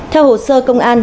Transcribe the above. theo hồ sơ công an